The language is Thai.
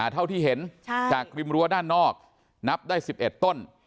เท่าที่เห็นจากริมรั้วด้านนอกนับได้๑๑ต้น